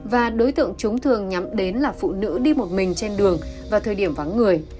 và đối tượng chúng thường nhắm đến là phụ nữ đi một mình trên đường vào thời điểm vắng người